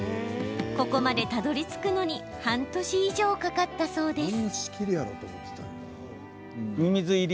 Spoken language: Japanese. ここまでたどりつくのに半年以上かかったそうです。